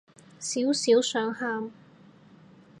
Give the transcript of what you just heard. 少少想喊